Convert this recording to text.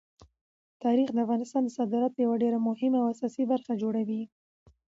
تاریخ د افغانستان د صادراتو یوه ډېره مهمه او اساسي برخه جوړوي.